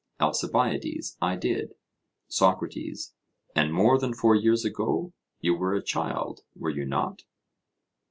ALCIBIADES: I did. SOCRATES: And more than four years ago you were a child were you not?